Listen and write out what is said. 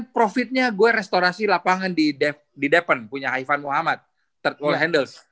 seratus profitnya gue restorasi lapangan di depen punya haifan muhammad third world handles